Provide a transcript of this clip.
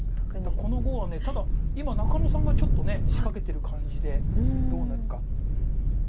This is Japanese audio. この碁はただ今中野さんがちょっと仕掛けてる感じでどうなるか。